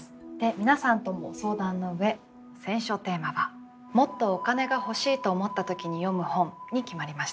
皆さんとも相談の上選書テーマは「もっとお金が欲しいと思った時に読む本」に決まりました。